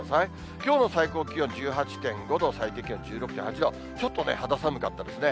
きょうの最高気温１８．５度、最低気温１６．８度、ちょっとね、肌寒かったですね。